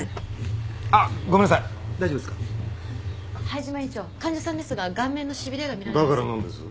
灰島院長患者さんですが顔面のしびれが見られます。